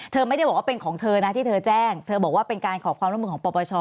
เธอไม่ได้บอกว่าเป็นของเธอนะที่เธอแจ้งเธอบอกว่าเป็นการขอความร่วมมือของปปช